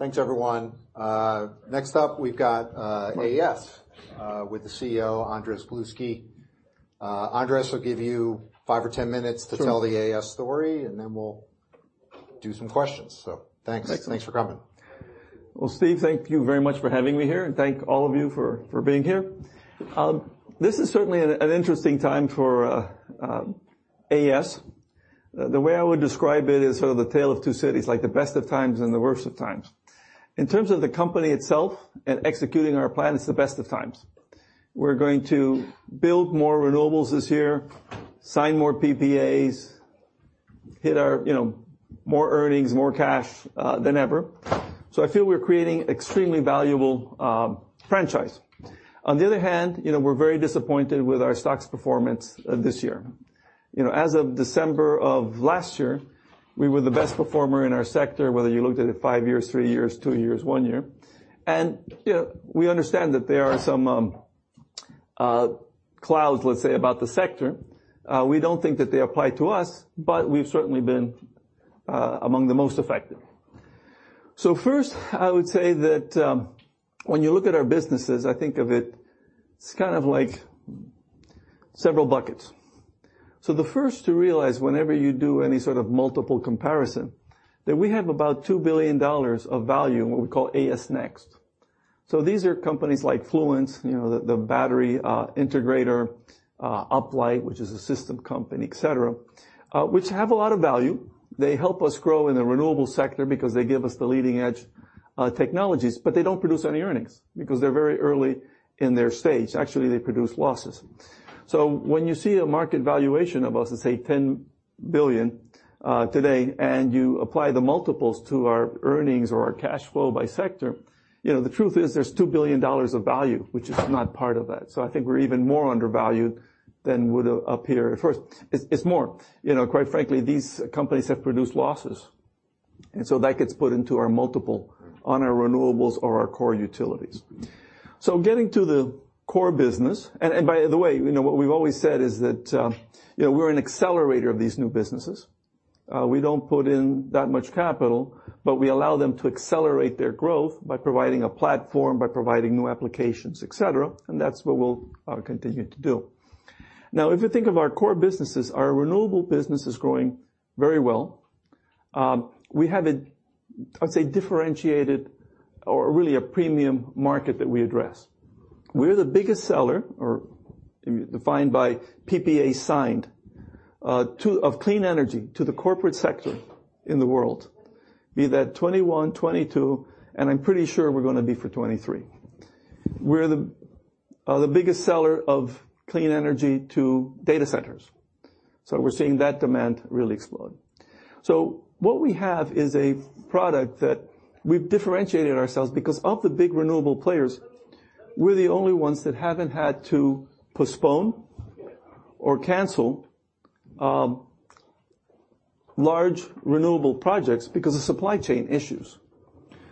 Thanks, everyone. Next up, we've got AES with the CEO, Andrés Gluski. Andrés, we'll give you five or 10 minutes- Sure. To tell the AES story, and then we'll do some questions. So thanks. Thanks. Thanks for coming. Well, Steve, thank you very much for having me here, and thank all of you for being here. This is certainly an interesting time for AES. The way I would describe it is sort of the tale of two cities, like the best of times and the worst of times. In terms of the company itself and executing our plan, it's the best of times. We're going to build more renewables this year, sign more PPAs, hit our, you know, more earnings, more cash than ever. So I feel we're creating extremely valuable franchise. On the other hand, you know, we're very disappointed with our stock's performance this year. You know, as of December of last year, we were the best performer in our sector, whether you looked at it 5 years, 3 years, 2 years, 1 year. You know, we understand that there are some clouds, let's say, about the sector. We don't think that they apply to us, but we've certainly been among the most affected. First, I would say that when you look at our businesses, I think of it; it's kind of like several buckets. So the first to realize whenever you do any sort of multiple comparison is that we have about $2 billion of value in what we call AES Next. So these are companies like Fluence, you know, the battery integrator, Uplight, which is a system company, et cetera, which have a lot of value. They help us grow in the renewable sector because they give us the leading-edge technologies, but they don't produce any earnings because they're very early in their stage. Actually, they produce losses. So when you see a market valuation of us, let's say, $10 billion today, and you apply the multiples to our earnings or our cash flow by sector, you know, the truth is, there's $2 billion of value, which is not part of that. So I think we're even more undervalued than would appear at first. It's, it's more. You know, quite frankly, these companies have produced losses, and so that gets put into our multiple on our renewables or our core utilities. So getting to the core business... And by the way, you know, what we've always said is that, you know, we're an accelerator of these new businesses. We don't put in that much capital, but we allow them to accelerate their growth by providing a platform, by providing new applications, et cetera, and that's what we'll continue to do. Now, if you think of our core businesses, our renewable business is growing very well. We have a, I'd say, differentiated or really a premium market that we address. We're the biggest seller, or defined by PPA signed, of clean energy to the corporate sector in the world. Be that 2021, 2022, and I'm pretty sure we're gonna be for 2023. We're the biggest seller of clean energy to data centers, so we're seeing that demand really explode. So what we have is a product that we've differentiated ourselves, because of the big renewable players, we're the only ones that haven't had to postpone or cancel large renewable projects because of supply chain issues.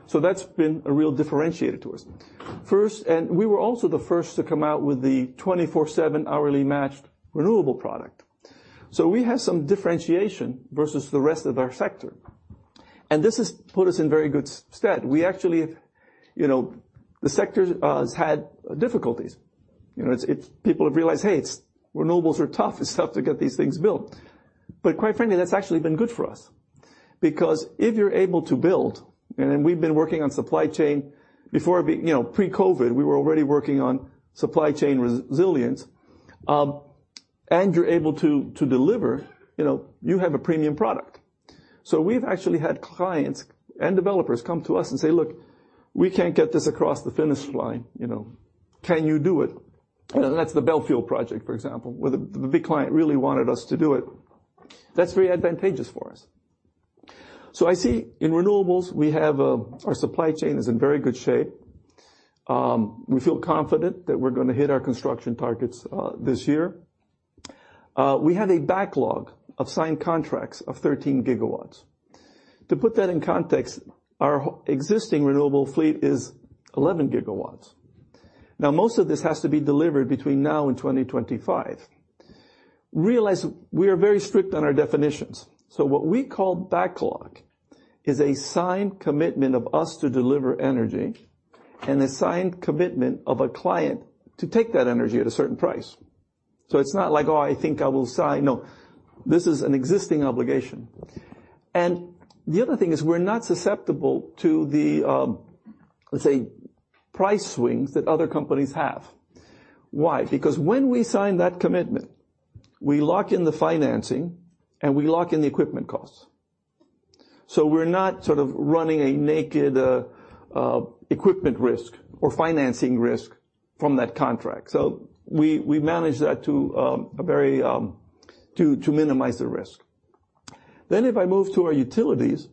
So that's been a real differentiator to us. First, and we were also the first to come out with the 24/7 hourly matched renewable product. So we have some differentiation versus the rest of our sector, and this has put us in very good stead. We actually, you know, the sector has had difficulties. You know, it's. People have realized, hey, it's, renewables are tough. It's tough to get these things built. But quite frankly, that's actually been good for us because if you're able to build, and we've been working on supply chain before, you know, pre-COVID, we were already working on supply chain resilience, and you're able to deliver, you know, you have a premium product. So we've actually had clients and developers come to us and say, "Look, we can't get this across the finish line, you know, can you do it?" And that's the Bellefield project, for example, where the big client really wanted us to do it. That's very advantageous for us. So I see in renewables, we have our supply chain is in very good shape. We feel confident that we're gonna hit our construction targets this year. We have a backlog of signed contracts of 13 GW. To put that in context, our existing renewable fleet is 11 GW. Now, most of this has to be delivered between now and 2025. Realize we are very strict on our definitions, so what we call backlog is a signed commitment of us to deliver energy and a signed commitment of a client to take that energy at a certain price. So it's not like, oh, I think I will sign. No, this is an existing obligation. And the other thing is, we're not susceptible to the, let's say, price swings that other companies have. Why? Because when we sign that commitment, we lock in the financing, and we lock in the equipment costs. So we're not sort of running a naked equipment risk or financing risk from that contract. So we manage that to a very to minimize the risk. Then, if I move to our utilities,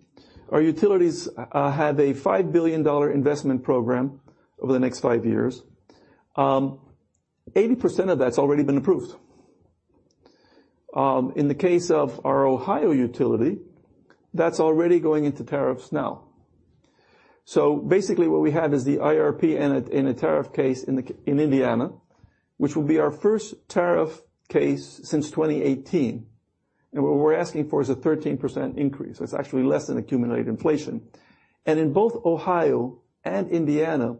our utilities have a $5 billion investment program over the next five years. 80% of that's already been approved. In the case of our Ohio utility, that's already going into tariffs now. So basically, what we have is the IRP in a tariff case in Indiana, which will be our first tariff case since 2018. And what we're asking for is a 13% increase. So it's actually less than accumulated inflation. In both Ohio and Indiana,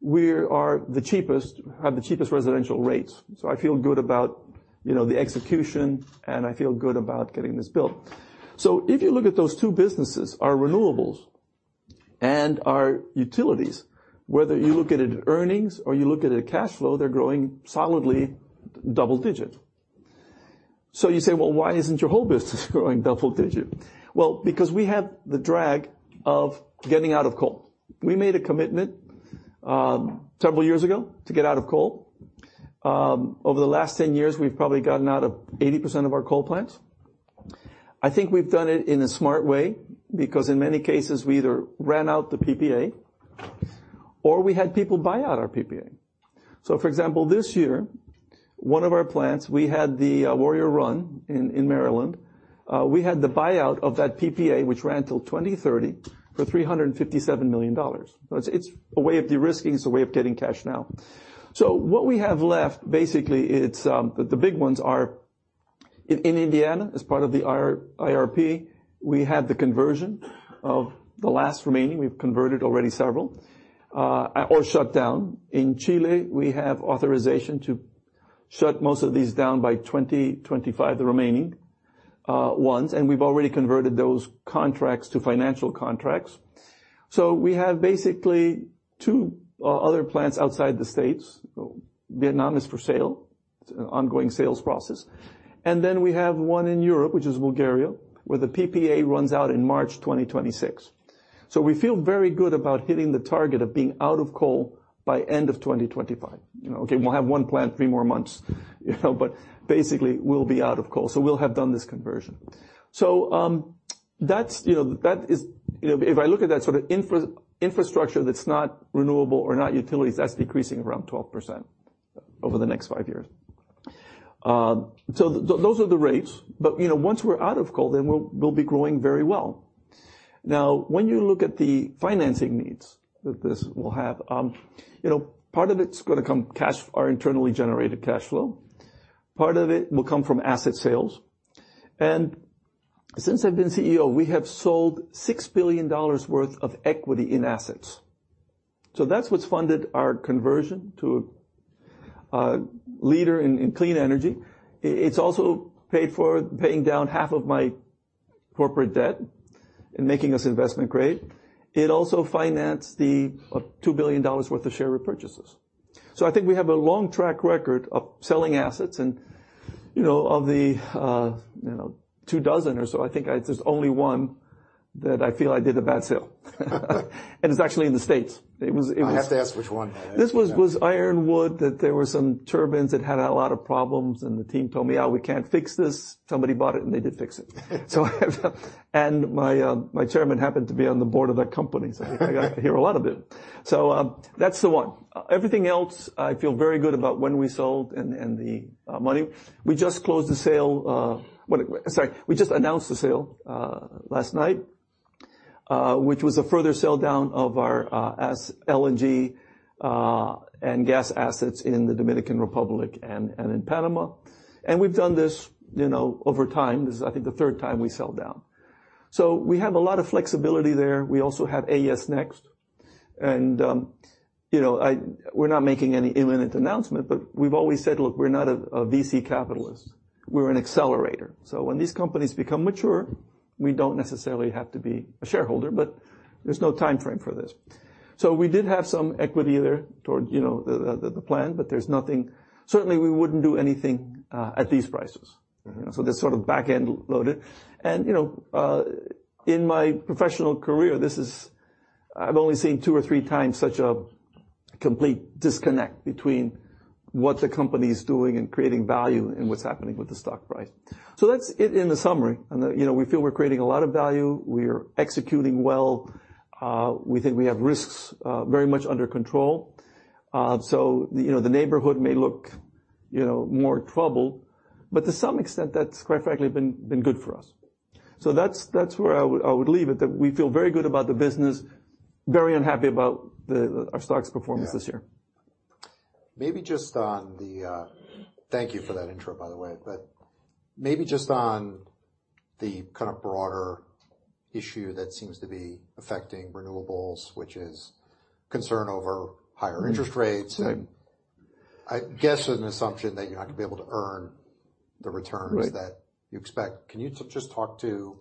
we have the cheapest residential rates. So I feel good about, you know, the execution, and I feel good about getting this built. So if you look at those two businesses, our renewables and our utilities, whether you look at it earnings or you look at it cash flow, they're growing solidly double digit. So you say, "Well, why isn't your whole business growing double digit?" Well, because we have the drag of getting out of coal. We made a commitment several years ago to get out of coal. Over the last 10 years, we've probably gotten out of 80% of our coal plants. I think we've done it in a smart way, because in many cases, we either ran out the PPA or we had people buy out our PPA. So for example, this year, one of our plants, we had the Warrior Run in Maryland. We had the buyout of that PPA, which ran till 2030, for $357 million. So it's a way of de-risking, it's a way of getting cash now. So what we have left, basically, it's the big ones are in Indiana, as part of the IRP, we had the conversion of the last remaining. We've converted already several or shut down. In Chile, we have authorization to shut most of these down by 2025, the remaining ones, and we've already converted those contracts to financial contracts. So we have basically two other plants outside the States. Vietnam is for sale, it's an ongoing sales process. And then we have one in Europe, which is Bulgaria, where the PPA runs out in March 2026. So we feel very good about hitting the target of being out of coal by end of 2025. You know, okay, we'll have one plant, 3 more months, you know, but basically, we'll be out of coal, so we'll have done this conversion. So, that's, you know, that is... If I look at that sort of infrastructure that's not renewable or not utilities, that's decreasing around 12% over the next 5 years. So those are the rates, but, you know, once we're out of coal, then we'll, we'll be growing very well. Now, when you look at the financing needs that this will have, you know, part of it's gonna come from cash, our internally generated cash flow, part of it will come from asset sales. Since I've been CEO, we have sold $6 billion worth of equity in assets. So that's what's funded our conversion to a leader in clean energy. It's also paid for paying down half of my corporate debt and making us investment grade. It also financed the $2 billion worth of share repurchases. So I think we have a long track record of selling assets and, you know, of the two dozen or so, I think there's only one that I feel I did a bad sale. And it's actually in the States. It was. I have to ask which one. This was Ironwood, that there were some turbines that had a lot of problems, and the team told me, "Oh, we can't fix this." Somebody bought it, and they did fix it. So I have... And my chairman happened to be on the board of that company, so I got to hear a lot of it. So, that's the one. Everything else I feel very good about when we sold and the money. We just closed the sale, well, sorry, we just announced the sale last night, which was a further sell down of our AES LNG and gas assets in the Dominican Republic and in Panama. And we've done this, you know, over time. This is, I think, the third time we sell down. So we have a lot of flexibility there. We also have AES Next, and, you know, we're not making any imminent announcement, but we've always said: Look, we're not a VC capitalist, we're an accelerator. So when these companies become mature, we don't necessarily have to be a shareholder, but there's no timeframe for this. So we did have some equity there toward, you know, the plan, but there's nothing... Certainly, we wouldn't do anything at these prices. Mm-hmm. So they're sort of back-end loaded. And, you know, in my professional career, I've only seen two or three times such a complete disconnect between what the company's doing and creating value and what's happening with the stock price. So that's it in the summary. And, you know, we feel we're creating a lot of value. We are executing well. We think we have risks very much under control. So, you know, the neighborhood may look, you know, more trouble, but to some extent, that's quite frankly, been good for us. So that's where I would leave it, that we feel very good about the business, very unhappy about our stock's performance this year. Yeah. Thank you for that intro, by the way, but maybe just on the kind of broader issue that seems to be affecting renewables, which is concern over higher interest rates. Mm-hmm. I guess, an assumption that you're not gonna be able to earn the returns- Right -that you expect. Can you just talk to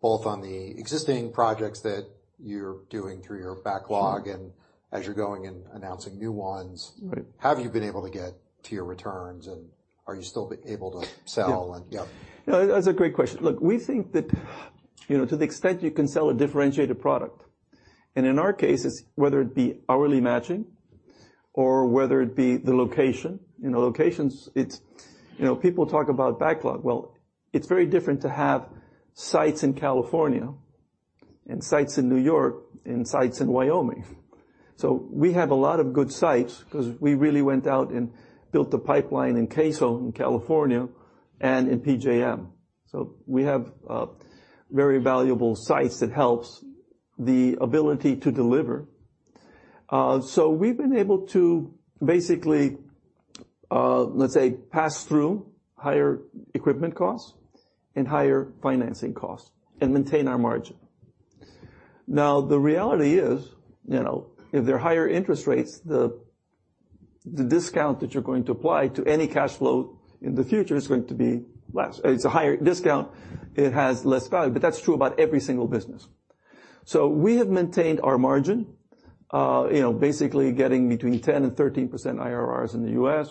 both on the existing projects that you're doing through your backlog, and as you're going and announcing new ones- Right... have you been able to get to your returns, and are you still able to sell? Yeah. Yeah. No, that's a great question. Look, we think that, you know, to the extent you can sell a differentiated product, and in our case, it's whether it be hourly matching or whether it be the location. You know, locations, it's... You know, people talk about backlog. Well, it's very different to have sites in California and sites in New York and sites in Wyoming. So we have a lot of good sites because we really went out and built a pipeline in CAISO, in California, and in PJM. So we have very valuable sites that helps the ability to deliver. So we've been able to basically, let's say, pass through higher equipment costs and higher financing costs, and maintain our margin. Now, the reality is, you know, if there are higher interest rates, the discount that you're going to apply to any cash flow in the future is going to be less. It's a higher discount, it has less value, but that's true about every single business. So we have maintained our margin, you know, basically getting between 10% and 13% IRRs in the U.S.,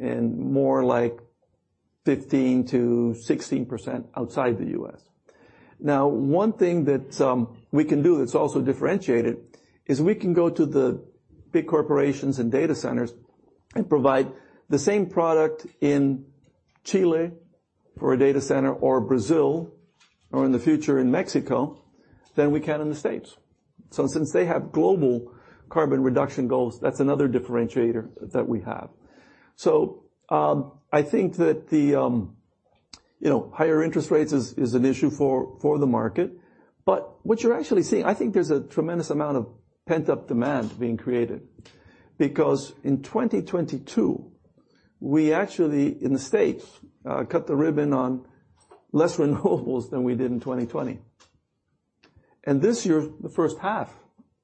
and more like 15%-16% outside the U.S. Now, one thing that we can do that's also differentiated, is we can go to the big corporations and data centers and provide the same product in Chile for a data center, or Brazil, or in the future, in Mexico, than we can in the States. So since they have global carbon reduction goals, that's another differentiator that we have. So, I think that the, you know, higher interest rates is an issue for the market. But what you're actually seeing—I think there's a tremendous amount of pent-up demand being created. Because in 2022, we actually, in the States, cut the ribbon on less renewables than we did in 2020. And this year, the first half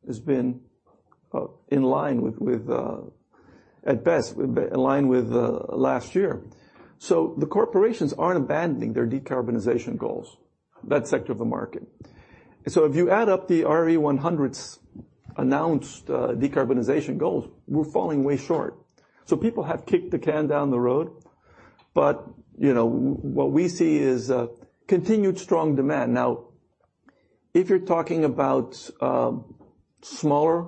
has been in line with... at best, in line with last year. So the corporations aren't abandoning their decarbonization goals, that sector of the market. So if you add up the RE100's announced decarbonization goals, we're falling way short. So people have kicked the can down the road, but, you know, what we see is continued strong demand. Now, if you're talking about smaller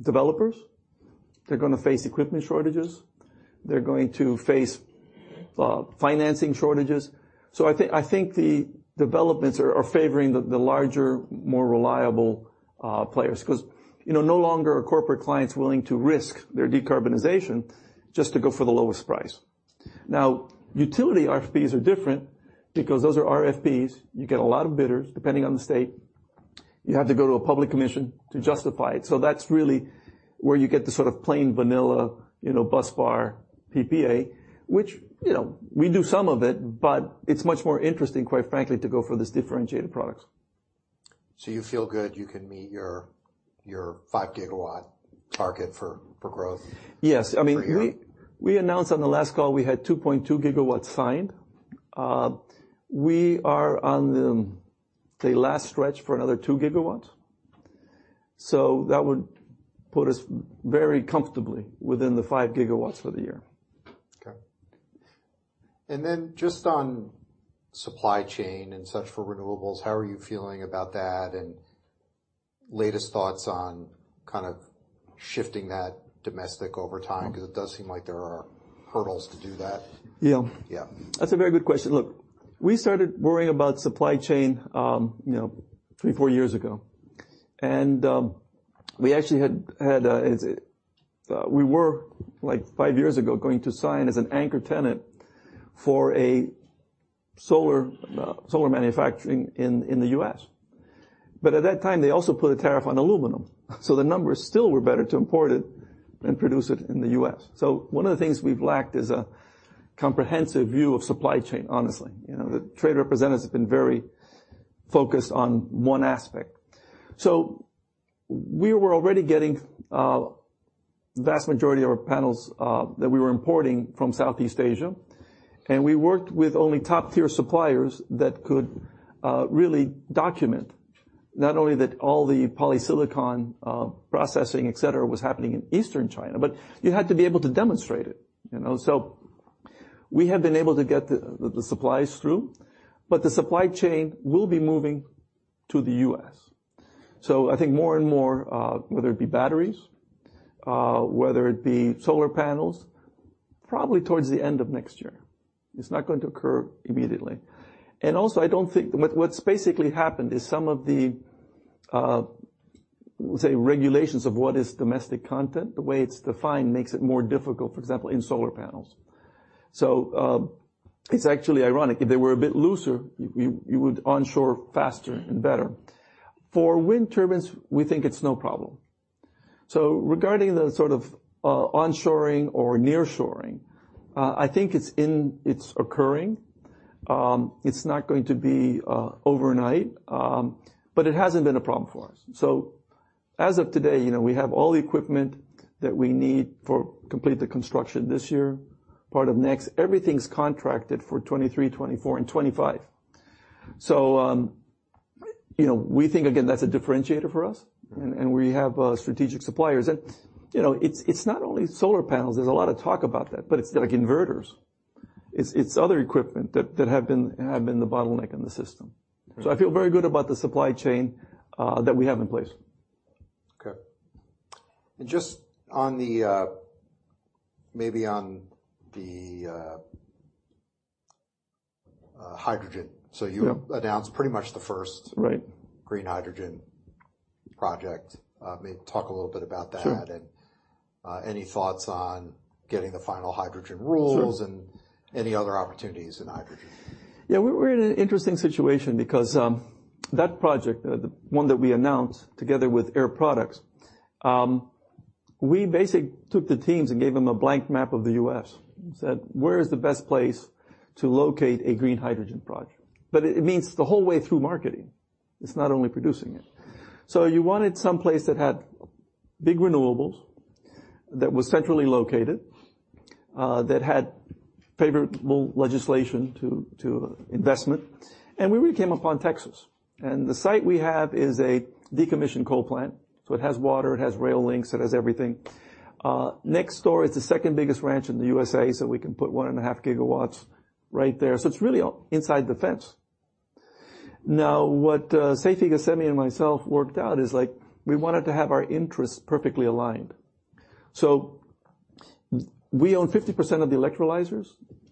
developers, they're gonna face equipment shortages, they're going to face financing shortages. So I think the developments are favoring the larger, more reliable, players, 'cause, you know, no longer are corporate clients willing to risk their decarbonization just to go for the lowest price. Now, utility RFPs are different because those are RFPs. You get a lot of bidders, depending on the state. You have to go to a public commission to justify it. So that's really where you get the sort of plain vanilla, you know, busbar PPA, which, you know, we do some of it, but it's much more interesting, quite frankly, to go for these differentiated products. So, you feel good you can meet your, your 5 GW target for, for growth? Yes. for a year? I mean, we announced on the last call, we had 2.2 GW signed. We are on the last stretch for another 2 GW, so that would put us very comfortably within the 5 GW for the year. Okay. And then just on supply chain and such for renewables, how are you feeling about that, and latest thoughts on kind of shifting that domestic over time? 'Cause it does seem like there are hurdles to do that. Yeah. Yeah. That's a very good question. Look, we started worrying about supply chain, you know, 3, 4 years ago. We actually had. We were, like 5 years ago, going to sign as an anchor tenant for a solar manufacturing in the U.S. But at that time, they also put a tariff on aluminum, so the numbers still were better to import it than produce it in the U.S. So one of the things we've lacked is a comprehensive view of supply chain, honestly. You know, the trade representatives have been very focused on one aspect. So we were already getting, vast majority of our panels, that we were importing from Southeast Asia, and we worked with only top-tier suppliers that could, really document not only that all the polysilicon, processing, et cetera, was happening in eastern China, but you had to be able to demonstrate it, you know? So we have been able to get the supplies through, but the supply chain will be moving to the U.S. So I think more and more, whether it be batteries, whether it be solar panels, probably towards the end of next year. It's not going to occur immediately. And also, I don't think. What's basically happened is some of the, say, regulations of what is domestic content, the way it's defined, makes it more difficult, for example, in solar panels. So, it's actually ironic. If they were a bit looser, you would onshore faster and better. For wind turbines, we think it's no problem. So regarding the sort of onshoring or nearshoring, I think it's occurring. It's not going to be overnight, but it hasn't been a problem for us. So as of today, you know, we have all the equipment that we need for complete the construction this year, part of next. Everything's contracted for 2023, 2024, and 2025. So, you know, we think, again, that's a differentiator for us, and we have strategic suppliers. And, you know, it's not only solar panels, there's a lot of talk about that, but it's like inverters. It's other equipment that have been the bottleneck in the system. So I feel very good about the supply chain that we have in place. Okay. And just on the hydrogen. Yeah. So you announced pretty much the first- Right... green hydrogen project. Maybe talk a little bit about that- Sure Any thoughts on getting the final hydrogen rules? Sure. And any other opportunities in hydrogen? Yeah, we're in an interesting situation because that project, the one that we announced together with Air Products, we basically took the teams and gave them a blank map of the U.S., and said, "Where is the best place to locate a green hydrogen project?" But it means the whole way through marketing. It's not only producing it. So you wanted someplace that had big renewables, that was centrally located, that had favorable legislation to investment, and we really came upon Texas. And the site we have is a decommissioned coal plant, so it has water, it has rail links, it has everything. Next door is the second biggest ranch in the U.S.A., so we can put 1.5 GW right there. So it's really all inside the fence. Now, what Seifi Ghasemi and myself worked out is like, we wanted to have our interests perfectly aligned. So we own 50% of the electrolyzers,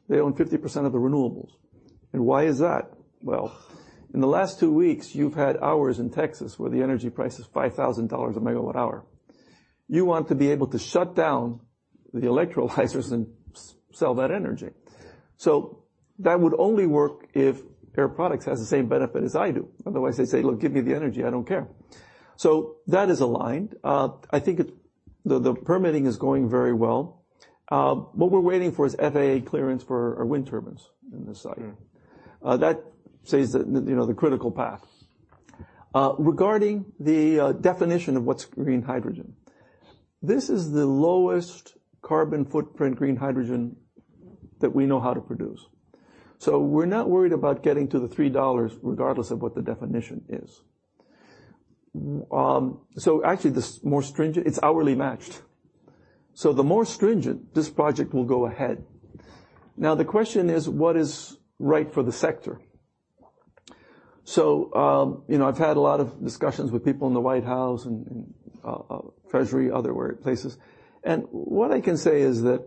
they own 50% of the renewables. And why is that? Well, in the last two weeks, you've had hours in Texas where the energy price is $5,000/MWh. You want to be able to shut down the electrolyzers and sell that energy. So that would only work if Air Products has the same benefit as I do. Otherwise, they say: "Look, give me the energy, I don't care." So that is aligned. I think it. The permitting is going very well. What we're waiting for is FAA clearance for our wind turbines in this site. Mm-hmm. That says that, you know, the critical path. Regarding the definition of what's green hydrogen, this is the lowest carbon footprint green hydrogen that we know how to produce. So we're not worried about getting to the $3, regardless of what the definition is. So actually, the more stringent, it's hourly matched. So the more stringent, this project will go ahead. Now, the question is, what is right for the sector? So, you know, I've had a lot of discussions with people in the White House and Treasury, other workplaces, and what I can say is that,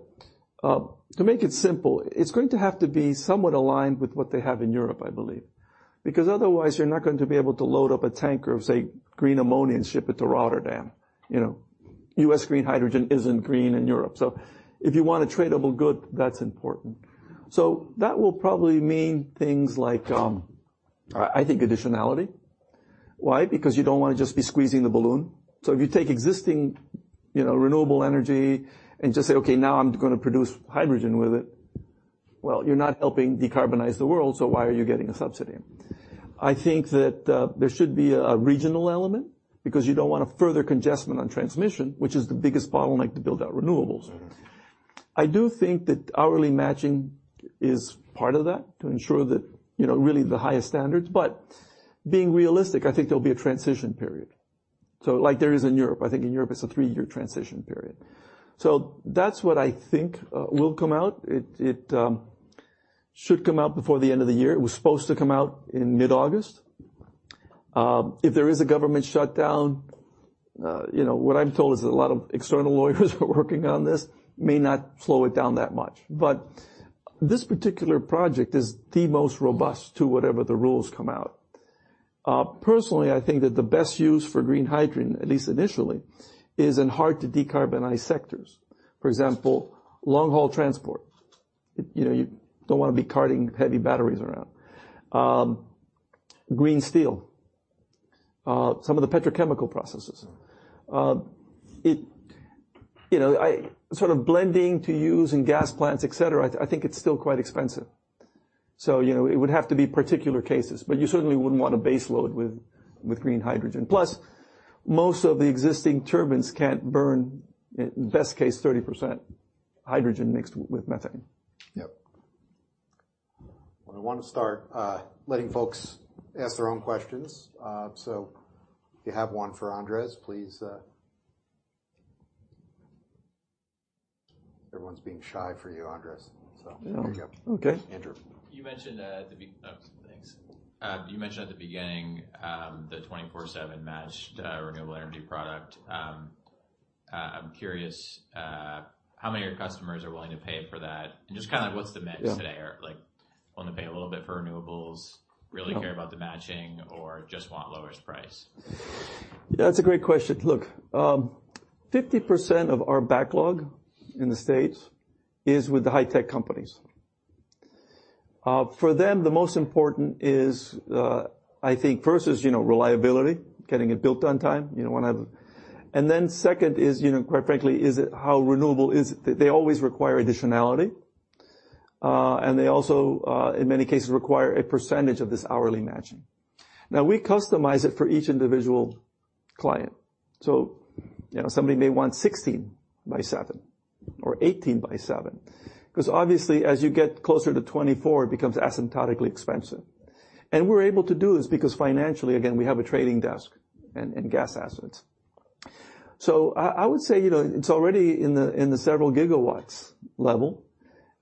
to make it simple, it's going to have to be somewhat aligned with what they have in Europe, I believe. Because otherwise, you're not going to be able to load up a tanker of, say, green ammonia and ship it to Rotterdam. You know, U.S. green hydrogen isn't green in Europe. So if you want a tradable good, that's important. So that will probably mean things like, I think additionality. Why? Because you don't wanna just be squeezing the balloon. So if you take existing, you know, renewable energy and just say: "Okay, now I'm gonna produce hydrogen with it," well, you're not helping decarbonize the world, so why are you getting a subsidy? I think that, there should be a regional element because you don't want to further congestion on transmission, which is the biggest bottleneck to build out renewables. Mm-hmm. I do think that hourly matching is part of that, to ensure that, you know, really the highest standards. But being realistic, I think there'll be a transition period, so like there is in Europe. I think in Europe, it's a three-year transition period. So that's what I think will come out. It should come out before the end of the year. It was supposed to come out in mid-August. If there is a government shutdown, you know, what I'm told is that a lot of external lawyers are working on this, may not slow it down that much. But this particular project is the most robust to whatever the rules come out. Personally, I think that the best use for green hydrogen, at least initially, is in hard-to-decarbonize sectors. For example, long-haul transport. You know, you don't wanna be carting heavy batteries around. Green steel, some of the petrochemical processes. You know, sort of blending to use in gas plants, et cetera, I think it's still quite expensive. So, you know, it would have to be particular cases, but you certainly wouldn't want a base load with green hydrogen. Plus, most of the existing turbines can't burn, best case, 30% hydrogen mixed with methane. Yep. I wanna start letting folks ask their own questions. So if you have one for Andrés, please... Everyone's being shy for you, Andrés, so- Yeah. Here you go. Okay. Andrew. You mentioned at the beginning, oh, thanks. You mentioned at the beginning, the 24/7 matched renewable energy product. I'm curious how many of your customers are willing to pay for that? And just kinda what's the mix today- Yeah. or, like, willing to pay a little bit for renewables Yeah... really care about the matching or just want lowest price? That's a great question. Look, 50% of our backlog in the States is with the high-tech companies. For them, the most important is, I think first is, you know, reliability, getting it built on time. And then second is, you know, quite frankly, is it how renewable is it? They always require additionality, and they also, in many cases, require a percentage of this hourly matching. Now, we customize it for each individual client. So, you know, somebody may want 16 by 7 or 18 by 7, 'cause obviously, as you get closer to 24, it becomes asymptotically expensive. And we're able to do this because financially, again, we have a trading desk and gas assets. So I would say, you know, it's already in the several gigawatts level.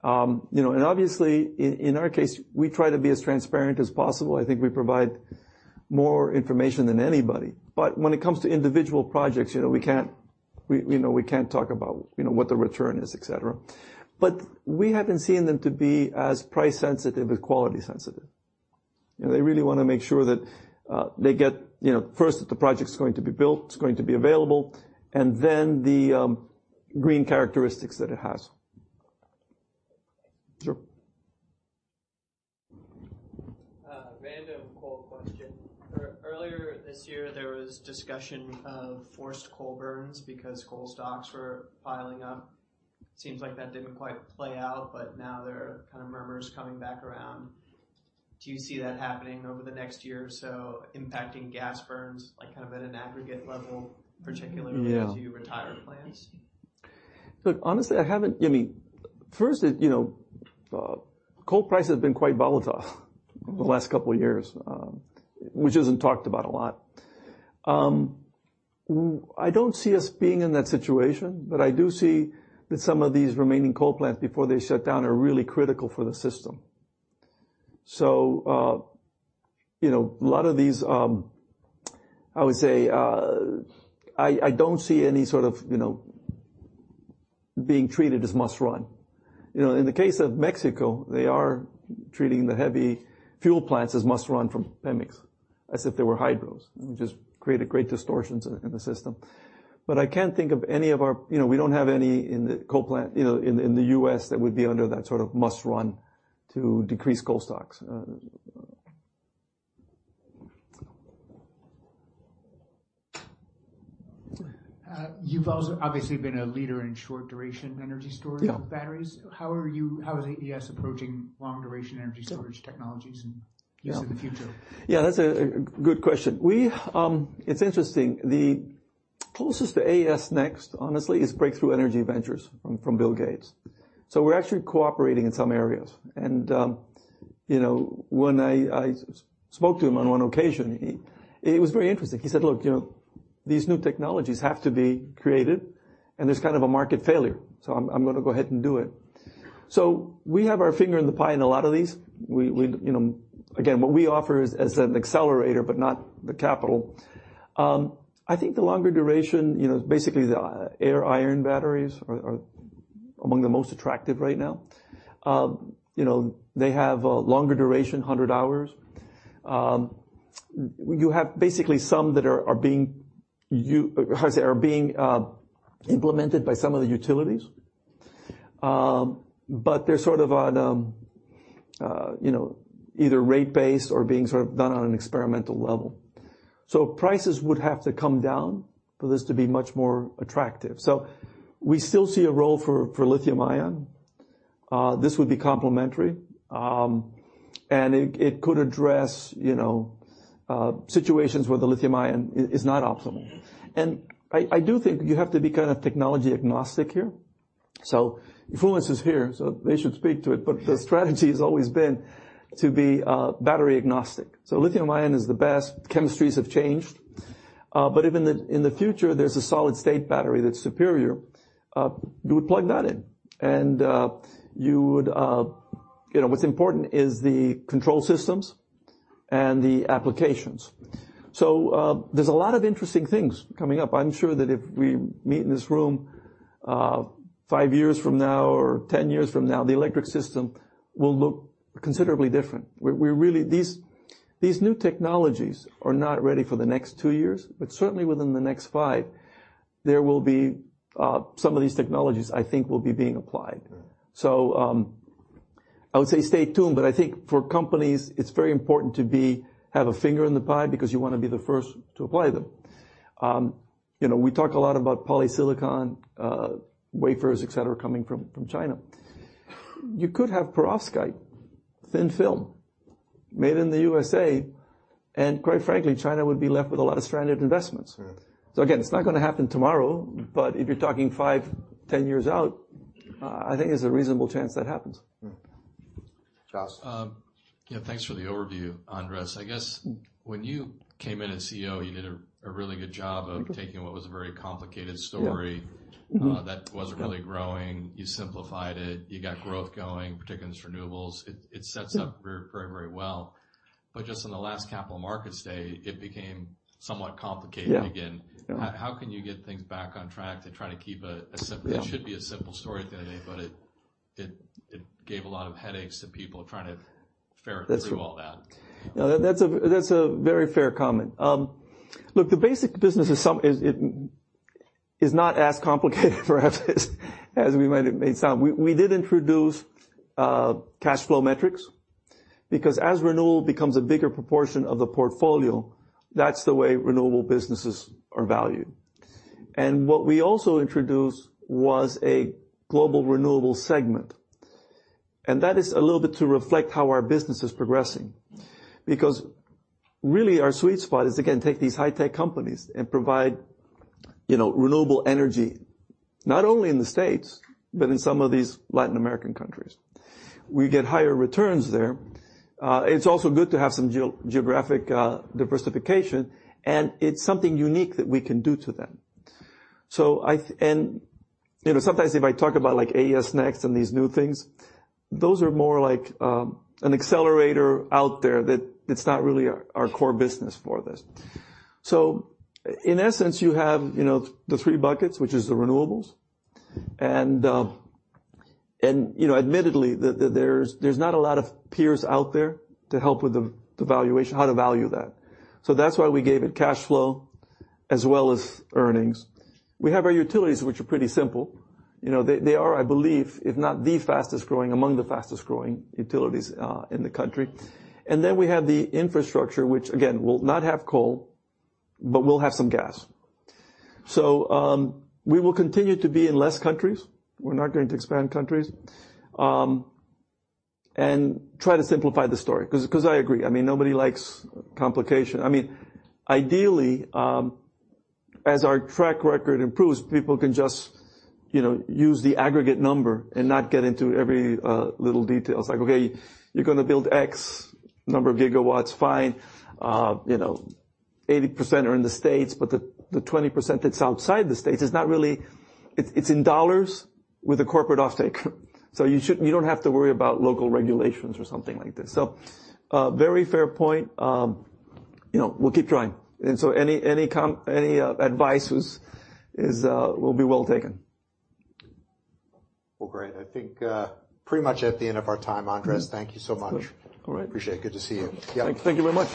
You know, and obviously, in our case, we try to be as transparent as possible. I think we provide more information than anybody. But when it comes to individual projects, you know, we can't talk about, you know, what the return is, et cetera. But we haven't seen them to be as price sensitive as quality sensitive. You know, they really wanna make sure that they get, you know, first, that the project's going to be built, it's going to be available, and then the green characteristics that it has. Sure. Random coal question. Earlier this year, there was discussion of forced coal burns because coal stocks were piling up. Seems like that didn't quite play out, but now there are kind of murmurs coming back around. Do you see that happening over the next year or so, impacting gas burns, like, kind of at an aggregate level, particularly- Yeah. As you retire plans? Look, honestly, I haven't—I mean, first, it, you know, coal prices have been quite volatile the last couple of years, which isn't talked about a lot. I don't see us being in that situation, but I do see that some of these remaining coal plants, before they shut down, are really critical for the system. So, you know, a lot of these, I would say, I don't see any sort of, you know, being treated as must-run. You know, in the case of Mexico, they are treating the heavy fuel plants as must-run from Pemex, as if they were hydros, which has created great distortions in the system. But I can't think of any of our... You know, we don't have any in the coal plant, you know, in the US, that would be under that sort of must-run to decrease coal stocks. You've also obviously been a leader in short-duration energy storage- Yeah. Batteries. How is AES approaching long-duration energy storage technologies and use in the future? Yeah, that's a good question. It's interesting, the closest to AES Next, honestly, is Breakthrough Energy Ventures from Bill Gates. So we're actually cooperating in some areas. And, you know, when I spoke to him on one occasion, he was very interested. He said, "Look, you know, these new technologies have to be created, and there's kind of a market failure, so I'm gonna go ahead and do it." So we have our finger in the pie in a lot of these. We, you know, again, what we offer is as an accelerator, but not the capital. I think the longer duration, you know, basically the Iron-air batteries are among the most attractive right now. You know, they have a longer duration, 100 hours. You have basically some that are being implemented by some of the utilities. But they're sort of on, you know, either rate-based or being sort of done on an experimental level. So prices would have to come down for this to be much more attractive. So we still see a role for Lithium-ion. This would be complementary, and it could address, you know, situations where the Lithium-ion is not optimal. And I do think you have to be kind of technology agnostic here. So Fluence is here, so they should speak to it, but the strategy has always been to be battery agnostic. So Lithium-ion is the best. Chemistries have changed, but if in the future, there's a solid state battery that's superior, you would plug that in. And, you would... You know, what's important is the control systems and the applications. So, there's a lot of interesting things coming up. I'm sure that if we meet in this room five years from now or 10 years from now, the electric system will look considerably different. We're really. These new technologies are not ready for the next two years, but certainly within the next five, there will be some of these technologies, I think, will be being applied. Right. So, I would say stay tuned, but I think for companies, it's very important to be, have a finger in the pie because you wanna be the first to apply them. You know, we talk a lot about polysilicon, wafers, et cetera, coming from China. You could have perovskite thin film made in the USA, and quite frankly, China would be left with a lot of stranded investments. Right. Again, it's not gonna happen tomorrow, but if you're talking 5, 10 years out, I think there's a reasonable chance that happens. Mm-hmm. Charles? Yeah, thanks for the overview, Andrés. I guess when you came in as CEO, you did a really good job of- Mm-hmm. -taking what was a very complicated story- Yeah. That wasn't really growing. You simplified it. You got growth going, particularly in renewables. Yeah. It sets up very, very, very well. But just in the last Capital Markets Day, it became somewhat complicated again. Yeah. How can you get things back on track to try to keep a simple- Yeah. It should be a simple story to anybody, but it gave a lot of headaches to people trying to wade through all that. That's true. No, that's a, that's a very fair comment. Look, the basic business is not as complicated, perhaps, as we might have made sound. We did introduce cash flow metrics because as renewable becomes a bigger proportion of the portfolio, that's the way renewable businesses are valued. And what we also introduced was a global renewable segment, and that is a little bit to reflect how our business is progressing. Because really, our sweet spot is, again, take these high-tech companies and provide, you know, renewable energy, not only in the States, but in some of these Latin American countries. We get higher returns there. It's also good to have some geographic diversification, and it's something unique that we can do to them. So I and, you know, sometimes if I talk about, like, AES Next and these new things, those are more like an accelerator out there, that it's not really our core business for this. So in essence, you know, the three buckets, which is the renewables, and and, you know, admittedly, the, there's not a lot of peers out there to help with the valuation, how to value that. So that's why we gave it cash flow as well as earnings. We have our utilities, which are pretty simple. You know, they are, I believe, if not the fastest-growing, among the fastest-growing utilities in the country. And then we have the infrastructure, which, again, will not have coal, but will have some gas. So we will continue to be in less countries. We're not going to expand countries. And try to simplify the story, 'cause I agree, I mean, nobody likes complication. I mean, ideally, as our track record improves, people can just, you know, use the aggregate number and not get into every little details. Like, okay, you're gonna build X number of gigawatts, fine. You know, 80% are in the States, but the 20% that's outside the States is not really... It's in dollars with a corporate offtake. So you shouldn't, you don't have to worry about local regulations or something like this. So, very fair point. You know, we'll keep trying. And so any advice will be well taken. Well, great. I think, pretty much at the end of our time, Andrés, thank you so much. All right. Appreciate it. Good to see you. Thank you very much.